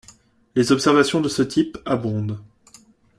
Les observations de ce type abondent.